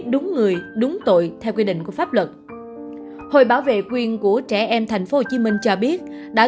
đúng người đúng tội theo quy định của pháp luật hội bảo vệ quyền của trẻ em tp hcm cho biết đã